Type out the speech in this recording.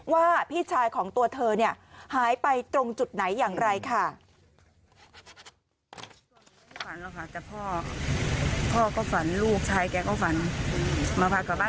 ว่าพี่ชายของตัวเธอเนี่ยหายไปตรงจุดไหนอย่างไรค่ะ